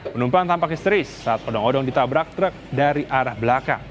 penumpang tampak histeris saat odong odong ditabrak truk dari arah belakang